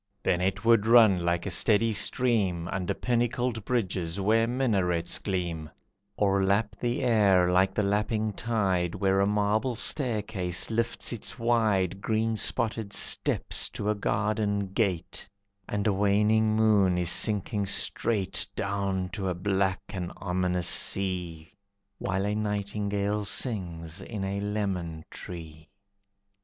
Then it would run like a steady stream Under pinnacled bridges where minarets gleam, Or lap the air like the lapping tide Where a marble staircase lifts its wide Green spotted steps to a garden gate, And a waning moon is sinking straight Down to a black and ominous sea, While a nightingale sings in a lemon tree.